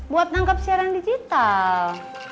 buat nangkep siaran digital